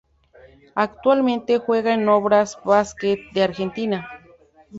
Actualmente juega en Obras Basket de Argentina.